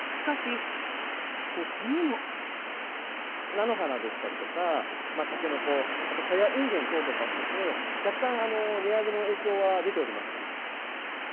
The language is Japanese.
菜の花でしたりとか、タケノコ、あとサヤインゲン等とかもですね、若干、値上げの影響は出ております。